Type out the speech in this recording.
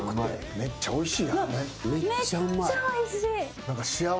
めっちゃおいしい。